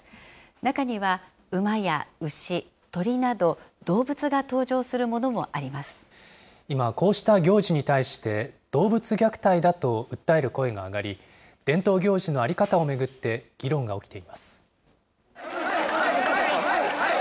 中には馬や牛、鳥など、今、こうした行事に対して、動物虐待だと訴える声が上がり、伝統行事の在り方を巡って議論が起きています。